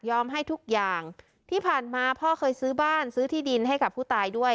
ให้ทุกอย่างที่ผ่านมาพ่อเคยซื้อบ้านซื้อที่ดินให้กับผู้ตายด้วย